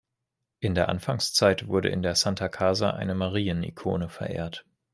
In der Anfangszeit wurde in der "Santa Casa" eine Marienikone verehrt.